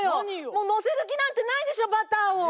もう載せる気なんてないでしょバターを。